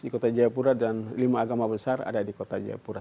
kota jayapura dan lima agama besar ada di kota jayapura